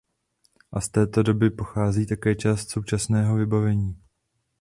A z této doby pochází také část současného vybavení.